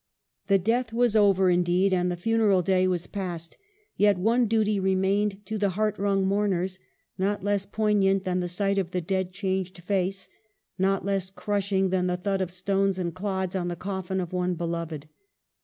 The death was over, indeed, and the funeral day was past ; yet one duty remained to the heart wrung mourners, not less poignant than the sight of the dead changed face, not less crushing than the thud of stones and clods on the coffin of one beloved.